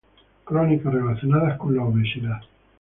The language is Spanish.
crónicas relacionadas con la obesidad